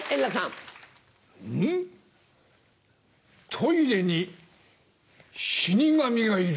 トイレに死神がいる。